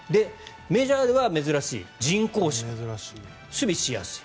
メジャーでは珍しい人工芝守備しやすい。